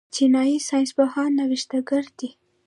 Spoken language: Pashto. چینايي ساینس پوهان نوښتګر دي.